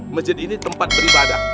masjid ini tempat beribadah